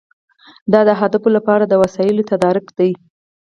دا د اهدافو لپاره د وسایلو تدارک دی.